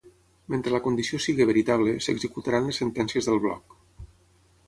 Mentre la condició sigui veritable, s'executaran les sentències del bloc.